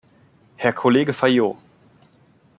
Herr Kollege Fayot!